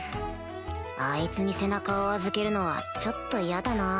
あいつに背中を預けるのはちょっと嫌だな